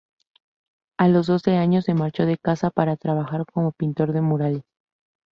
A los doce años se marchó de casa para trabajar como pintor de murales.